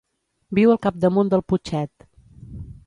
Viu al capdamunt del Putxet.